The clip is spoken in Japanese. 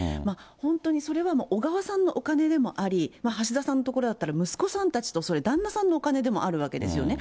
本当にそれはもう、小川さんのお金でもあり、橋田さんのところだったら、息子さんたちと、旦那さんのお金でもあるわけですよね。